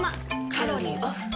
カロリーオフ。